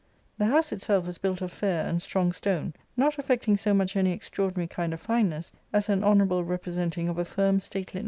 /The house itself was built of fair and strong stone, not affecting so much ! any extraordinary kind of fineness as an honourable repre senting of a firm statelinp.